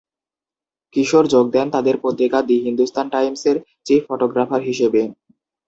কিশোর যোগ দেন তাদের পত্রিকা দি হিন্দুস্তান টাইমসের চিফ ফটোগ্রাফার হিসেবে।